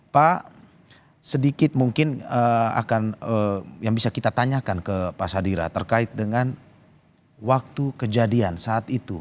pak sedikit mungkin akan yang bisa kita tanyakan ke pak sadira terkait dengan waktu kejadian saat itu